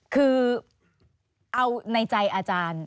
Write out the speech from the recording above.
คือเอาในใจอาจารย์